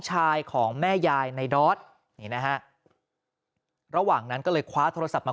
ชายของแม่ยายในดอสนี่นะฮะระหว่างนั้นก็เลยคว้าโทรศัพท์มา